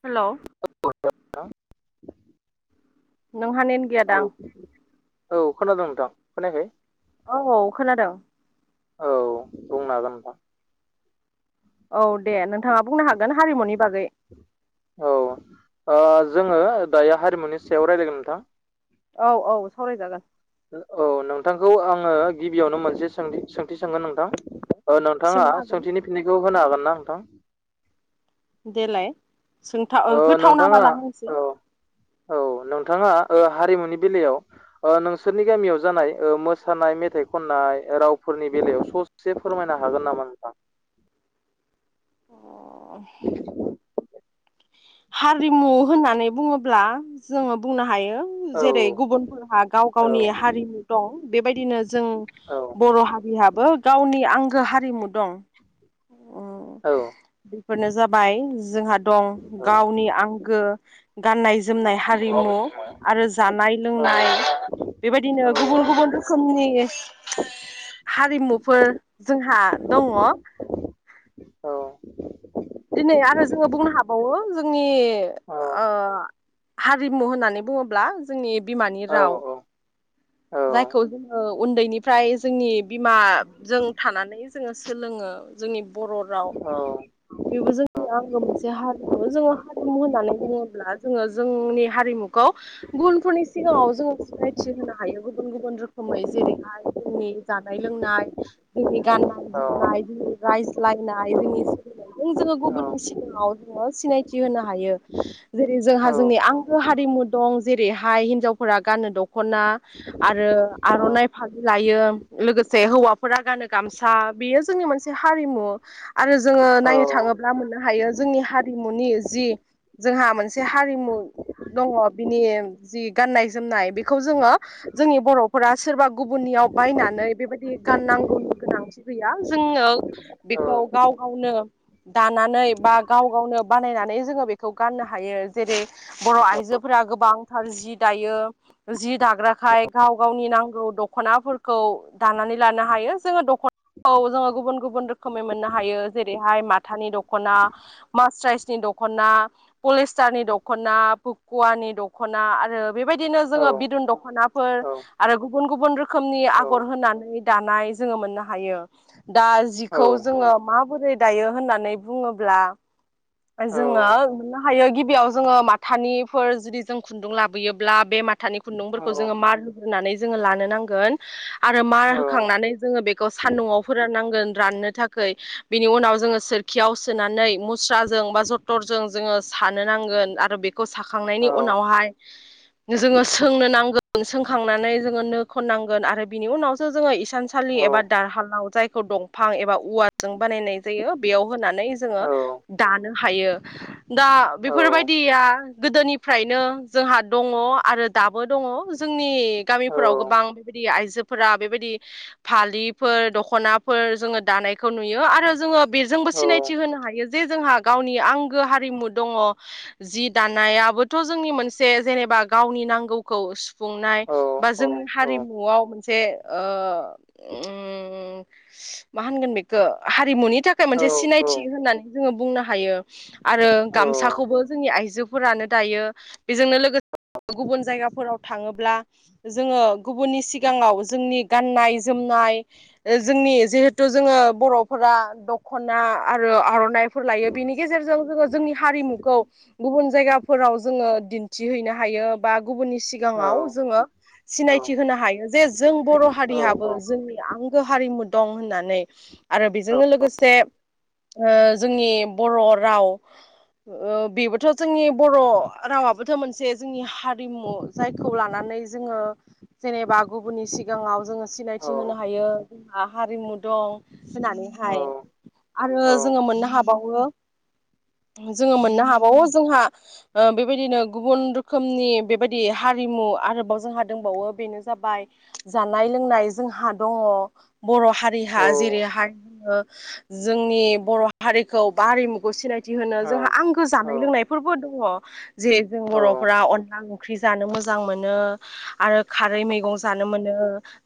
हेल' औ नोंहा नेट गैया दां औ खोनादों नोंथां खोनायाखै? औ औ खोनादों। औ बुंनो हागोन नोंथां। औ दे नोंथाङा बुंनो हागोन हारिमुनि बागै। औ ओ जोङो दायो हारिमुनि सायाव रायज्लायगोन नोंथां। औ औ सावरायजागोन। औ नोंथांखौ आङो गिबियावनो मोनसे सों सोंथि सोंगोन नोंथां। ओ नोंथाङा सोंनो हागोन सोंथिनि फिननिखौ होनो हागोन ना नोंथां? देलाय सोंथाव ओ होथावना बला होनोसै। औ औ नोंथाङा ओ हारिमुनि बेलायाव ओ नोंसोरनि गामियाव ओ जानाय मोसानाय मेथाइ खननाय रावफोरनि बेलायाव ससे फोरमायना नो हागोन नामा नोंथां? [inaudible] [inaudible] हारिमु होननानै बुङोब्ला जोङो बुंनो ह हायो औ जेरै गुबुनफोरहा गाव औ गावनि हारिमु दं बेबायदिनो जों बर' हारियाबो गावनि आंगो हारिमु दं। औ। फोरनो जाबाय जोंहा दं गावनि आंगो गाननाय जोमनाय हारिमु आरो जानाय लोंनाय औ बेबायदिनो गुबुन गुबुन रोखोमनि हारिमुफोर जोंहा दङ। औ औ दिनै आरो जोङो बुंनो हाबावो जोंनि औ ओ हारिमु होननानै बुङोब्ला जोंनि बिमानि राव जायखौ जोङो उन्दैनिफ्राय जोंनि बिमाजों थानानै जोङो सोलोङो जोंनि बर' राव बेबो जोंनि आंगो मोनसे हारिमु जोङो हारिमु होननानै बुङोब्ला जोङो जोंनि हारिमुखौ गुबुनफोरनि सिगाङाव जोङो सिनायथि होनो हायो। गुबुन गुबुन रोखोमै जेरैहाय जोंनि जानाय लोंनाय जोंनि गाननाय जोमनाय जि रायज्लायनाय जोंनि सोलिनायजों जोङो गुबुननि सिगाङाव जोङो सिनायथि होनो हायो । जेरै जोंहा जोंनि आंगो हारिमु दं- जेरैहाय हिनजावफोरा गाननो दख'ना आरो आर'नाइ फालि लायो लोगोसे हौवाफोरा गानो गामसा बेयो जोंनि मोनसे हा हारिमु आरो जोङो नायनो थाङोब्ला मोननो हायो। जोंनि हारिमुनि जि जोंहा मोनसे हारिमु दङ बिनि ओ जि गाननाय जोमनाय बेखौ जोङो जोंनि बर'फोरा सोरबा गुबुननियाव बायनानै बेबायदि गाननांगौनि गोनांथि गैया जोंनो बेखौ गाव गावनो दानानै बा गाव गावनो बानायनानै जोङो बेखौ गान हायो जेरै बर' आइजोफोरा गोबांथार जि दायो जि दाग्राखाय गाव गावनि नांगौ दख'नाफोरखौ दानानै लानो हायो ।जोङो दख'ना औ जोङो गुबुन गुबुन रोखोमै मोननो हायो। जेरैहाय माथानि दख'ना, मास राइसनि दखना दखना पलिस्टारनि दख'ना, फुकुवानि दख'ना आरो बेबायदिनो जोङो बिदुन दख'नाफोर आरो गु गुबुन गुबुन रोखोमनि आगर होनानै दानाय जोङो मोननो हायो दा जिखौ जोङो माबोरै दायो होननानै बुङोब्ला जोङो मोननो हायो गिबियाव जोङो माथानिफोर जुदि जों खुन्दुं लाबोयोब्ला बे माथानि खुनदुंफोरखौ होग्रोनानै जोङो लानो नांगोन आरो मार होखांनानै जोङो बेखौ सान्दुंआव फोराननांगोन राननो थाखाय बिनि उनाव जोङो सोरखियाव सोनानै मुस्रा जों जटरजों जों सानो नांगोन आरो बे साखांनायनि उनावहाय जोङो सोंनो नांगौ सोंखांनानै जोङो नो खननांगोन आरो बिनि उनावसो जोङो इसानसालि एबा दारहालाव जायखौ दंफां एबा औव जों बानायनाय जायो बेयाव होनानै जोङो हायो दा बेफोरबायदिया गोदोनिफ्रायनो जोंहा दङ आरो दाबो दङ जोंनि गामिफोराव गोबां बेबायदि आइजोफोरा बेबायदि फालिफोर दखनाफोर जोङो दानायखौ नुयो आरो जोङो बेजोंबो सिनायथि होनो हायो जे जोंहा गावनि आंगो हारिमु दङ जि दानायाबोथ' जोंनि मोनसे जेनेबा गावनि नांगौखौ खुंनाय बा जोंनि हारिमुआव मोनसे मा होनगोन बेखौ हारिमुनि थाखाय मोनसे सिनायथि होननानै जोङो बुंनो हायो आरो गामसाखौबो जोंनि आइजोफोरानो दायो बेजोंनो लोगोसे गुबुन जायगाफोराव थाङोब्ला जोङो गुबुननि सिगाङाव जोंनि गाननाय जोमनाय जों जों जिहेथु जोङो बर'फोरा दख'ना आरो आर'नाइ फोर लायो बिनि गेजेरजों जोङो जोंनि हारिमु गुबुन जायगाफोराव जोङो दिन्थिहैनो हायो बा गुबुननि सिगाङाव जोङो सिनायथि होनो हायो जे जों बर' हारियाबो जोंनि आं हारिमु दं होननानै आरो बेजोंनो लोगोसे ओ जोंनि बर' राव ओ बेबोथ' जोंनि बर' रावाबोथ' मोनसे जोंनि हारिमु जायखौ लानानै जोङो जेनेबा गुबुननि सिगाङाव जोङो सिनायथि होनो हायो हारिमु दं होननानैहाय आरो जोङो मोननो हाबावो जोङो मोननो हाबावो जोंहा बेबायदिनो गुबुन रोखोमनि बेबाय दि हारिमु आरोबाव जोंहा दंबावो बेनो जाबाय जानाय लोंनाय जोंहा दङ बर' हारिहा जेरैहायङो जोंनि बर' हारिखौ बा हारिमुखौ सिनायथि बिदि होनो जोंहा आंगो जानाय लोंनायफोरबो दङ जे जों बर'फोरा अनला ख्रि जानो मोजां मोनो आरो खारै मैगं जानो मोनो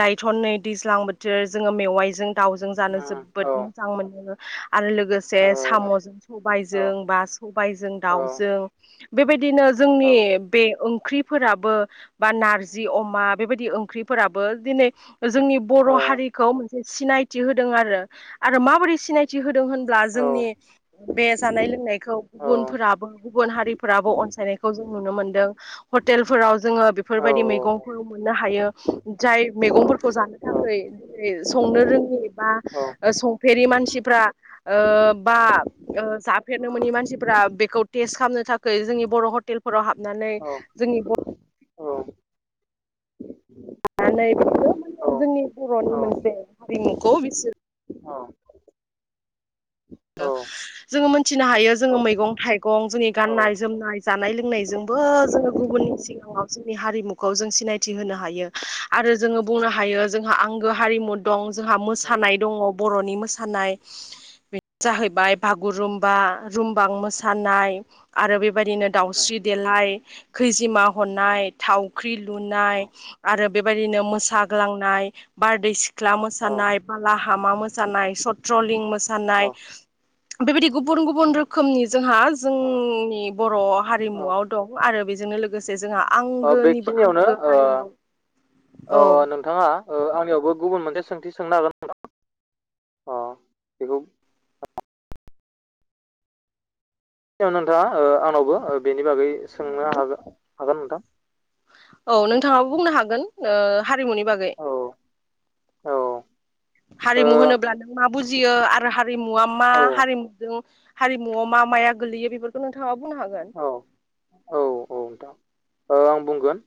दायोथ' नै दैज्लां बोथोर जोङो मेवाइजों दाउजों जानो जोबोद मोजां मोनो आरो लोगोसे साम'जों सबायजों बा सबायाइजों दाउजों बेबायदि बिदिनो औ जोंनि बे ओंख्रिफोराबो बा नारजि अमा बेबायदि ओंख्रिफोराबो दिनै जोंनि औ बर' हारिखौ मोनसे सिनायथि होदों आरो आरो माबोरै सिनायथि होदों होनब्ला औ जोंनि बे जानाय लोंनायखौ औ गुबुनफोराबो गुबुन हारिफोराबो अनसायनायखौ जों नुनो मोनदों हटेलफोराव जोङो औ बेफोरबायदि मैगंखौ मोननो हायो जाय मैगंफोरखौ जानो थाखाय जेरै संनो रोङि बा संफेरि मानसिफ्रा बा जाफेरनो मोननि मानसिफोरा्रा बेखौ टेस्ट खालामनो थाखाय जोंनि बर' हटेलफोराव हाबनानै औ जोंनि बर औ लानानै बिसोरो औ माने जोंनि बर'नि मोनसे हारिमुखौ बिसोर औ जोङो मोनथिनो हायो जोङो मैगं थाइगं जोंनि गाननाय जोमनाय जानाय लोंनायजों जोङो गुबुननि सिगाङाव जोंनि हारिमुखौ जों सिनायथि होनो हायो आरो जोङो बुंनो हायो जोंहा आंगो हारिमु दं जोंहा मोसानाय दङ बर'नि मोसानाय जाहैबाय बागुरुम्बा रुमबां मोसानाय आरो बेबायदिनो दाउस्रि देला हाय खैजिमा हरनाय थावख्रि लुनाय आरो बेबायदिनो मोसागो लांनाय बारदै सिख्ला मोसानाय बाला हामा मोसानाय सथ्रलिं मोसानाय [inaudible] बेबायदि गुबुन गुबुन रोखोमनि जोंहा औ जोंनि बर' औ हारिमुआव दं आरो बे नोजोंनो लोगोसे जोंहा आंगोनिबो बेखिनियावनो आंगो ओ हारिमु औ ओ नोंथाङा ओ आंनियावबो गुबुन मोनसे सोंथि सोंनो हागोन [inaudible] बेखौ नोंथांआ ओ आंनावबो बेनि बागै सोंनो हागोन हागोन नोंथां औ नोंथाङाबो बुंनो हागोन ओ हारिमुनि बागै औ औ ओ हारिमु औ होनोब्ला नों मा बुजियो आरो हारिमुवआ मा हारिमुजों हारिमुआव मा माया गोलैयो बेफोरखौ नोंथाङा बुंनो हागोन औ औ औ नोंथां ओ आं बुंगोन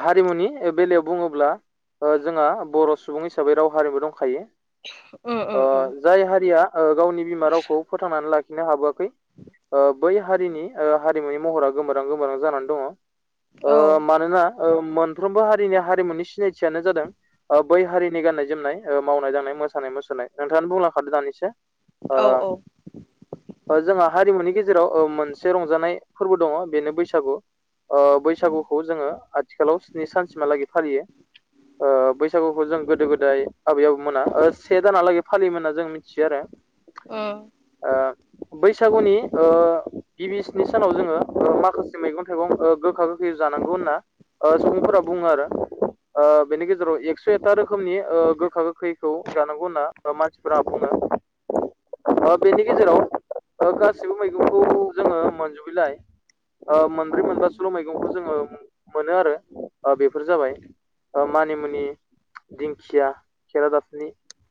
हारिमुनि बेलायाव बुङोब्ला ओ जोंहा बर' सुबुं हिसाबै राव हारिमु दंखायो उम ओ उम जाय हारिया ओ गावनि बिमा रावखौ फोथांनानै लाखि खिनो हाबोआखै ओ बै हारिनि ओ हारिमुनि महरा गोमोरां गोमोरां जानानै दङ उम औ ओ मानोना ओ मोनफ्रोमबो हारि रिनिया हारिमुनि सिनायथियानो जादों ओ बै हारिनि गाननाय जोमनाय मावनाय दांनाय मोसानाय मुसुरनाय नोंथां बुंलांखादो दानिसो ओ औ औ ओजोंहा हारिमुनि गेजेराव जेराव ओ मोनसे रंजानाय फोरबो दङ बेनो बैसागु ओ बैसागुखौ जोङो आथिखालाव स्नि सानसिमहालागै फालियो [inaudible] ओ बैसागुखौ जों गोदो गोदाय आबै आबौ मोना ओ से दानहालागै फालियोमोन होनना जों मिथियो आरो । ओ बैसागुनि ओ गिबि स्नि सानाव जोङो ओ माखासे मैगं थाइगं ओ गोखा गोखै जानांगौ होनना ओ सुबुंफोरा बुङो आरो । ओ बेनि गेजेराव एक्स' एथा रोखोमनि ओ गोखा गोखैखौ जानांगौ होनना ओ मानसिफोरा बुङो । [inaudible] ओ बेनि गेजेराव ओ गासिबो मैगंखौ जोङो मोनजोबैलाय ओ मोनब्रै उम मोनबासोल' मैगंखौ जोङो मोनो आरो ओ बेफोर जाबाय ओ मानिमुनि दिंखिया खरादाफनि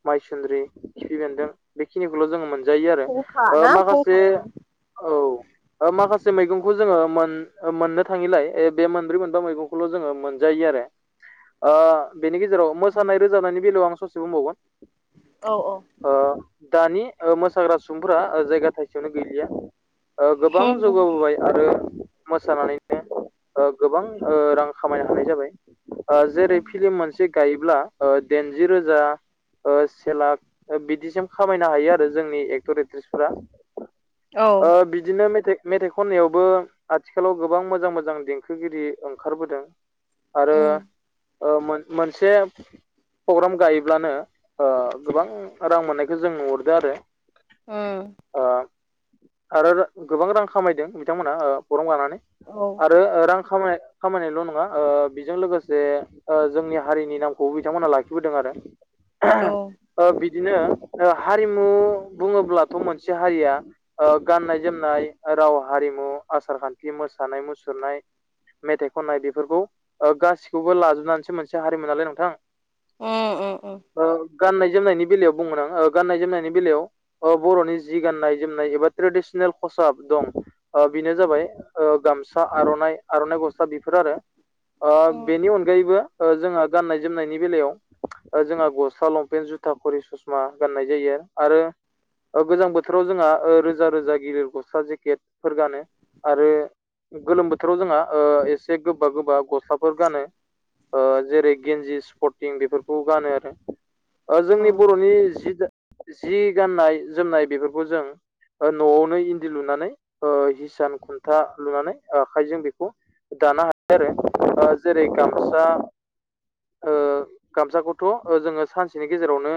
माइसुन्द्रि खिफि बेन्दों बेखिनिखौल' जोङो मोन जायो आरो फंखा ना ओमाखासे फंखायाबो औ माखासे मैगं जोङो मोन ओमोननो थाङिलाय बे मोनब्रै मोनबा मैगंखौल' जोङो मोनजायो आरो ओ बेनि गेजेराव मोसानाय रोजानायनि बेलायाव आं ससे बुंबावगोन औ औ ओ दानि ओ मोसाग्रा सुबुंफ्रा ओ जायगा थाइसेयावनो गैलिया ओ गोबां औ उम जौगाबोबाय मोसानानैनो ओ गोबां ओ रां खामायनो हानाय जाबाय । ओ जेरै उम फिलिम मोनसे गायोब्ला ओ दाइनजि रोजा ओ से लाख बिदिसिम खामायनो हायो आरो जोंनि एक्टर एक्ट्रिसफोरा औ औ ओ बिदिनो मेथा -मेथाइ खननायावबो आथिखालाव गोबां मोजां मोजां देंखोगिरि ओंखारबोदों आरो उम ओ मोन -मोनसे प्रग्राम गायोब्लानो ओ गोबां रां मोननायखौ जों नुहुरदो आरो अ ओ आरो रा गोबां रां खामायदों बिथांमोना ओ प्राग्राम गानानै आरो रां खामना खामायनायल' नङा ओ बेजों लोगोसे ओजोंनि हारिनि नामखौबो बिथांमोना लाखिबोदों आरो उम ओबिदिनो हारिमु बुङोब्लाथ' मोनसे हारिया ओ गाननाय जोमनाय रावा हारिमु आसार -खान्थि मोसानाय -मुसुरनाय मेथाइ खननाय बेफोरखौ ओगासिखौबो लाजोबनानैसो मोनसे हारिमु नालाय नोंथां उम उम औ गाननाय जोमनायनि बेलायाव बुंगोन आं गाननाय जोमनायनि बेलायाव बर'नि जि गाननाय जोमनाय एबा ट्रेडिस नेल खसाब दं। बेनो जाबाय गामसा आर'नाइ आर'नाइ गस्ला बेफोर आरो ओ उम बेनि अनगायैबो जोङो गाननाय जोमनायनि बेलायाव जोंहा गस्ला लंपेन्ट जुथा खरि ससमा गाननाय जायो आरो गोजां बोथोराव जोंहा रोजा रोजा गिदिर गस्ला जेकेटफोर गानो आरो गोलोम बोथोराव जोंही ओ एसे गोबा गोबा गस्लाफोर गानो ओ जेरै गेन्जि स्पर्टिं बेफोरखौ गानो आरो जोंनि उम बर'नि जि जि गाननाय जोमनाय बेफोरखौ जों न'आवनो इन्दि लुनानै ओ हिसान खुन्था लुनानै आखाइजों बेखौ दानो हायो आरो जेरै गामसा ओ गामसाखौथ' जोङो सानसेनि गेजेरावनो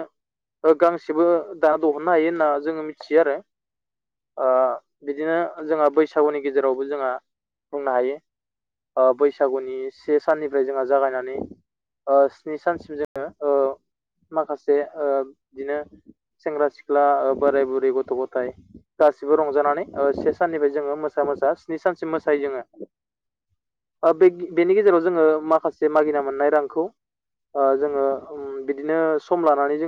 गांसेबो दा दहननो हायो होनना जोंङो मिथियो आरो ओ बिदिनो जोंहा बैसागुनि गेजेरावबो जोंहा बुंनो हायो। ओ बैसागुनि से साननिफ्राय जोंहा जागायनानै ओ स्नि सानसिम जोङो ओ माखासे ओ बिदिनो सेंग्रा सिख्ला बोराय बुरै गथ' गथाय गासिबो रंजानानै से साननिफ्राय जोङो मोसा मोसा स्नि सानसिम मोसायो जोङो बेनि गेजेराव जोङो माखासे मागिना मोननाय रांखौ ओ जोंङो बिदिनो सम लानानै जोङो